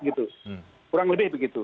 kurang lebih begitu